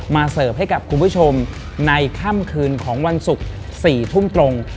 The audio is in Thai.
เสิร์ฟให้กับคุณผู้ชมในค่ำคืนของวันศุกร์๔ทุ่มตรง